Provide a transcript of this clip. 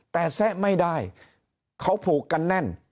แต่แซะไม่ได้เขาผูกกันแน่น